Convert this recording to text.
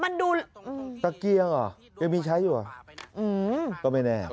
มันดูตะเกียงเหรอยังมีใช้อยู่เหรอก็ไม่แน่